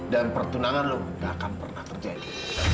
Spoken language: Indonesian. dan pertunangan lu gak akan pernah terjadi